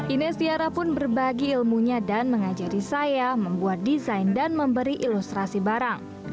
ines tiara pun berbagi ilmunya dan mengajari saya membuat desain dan memberi ilustrasi barang